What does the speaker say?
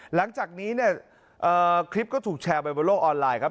หลังจากนี้เนี่ยคลิปก็ถูกแชร์ไปบนโลกออนไลน์ครับ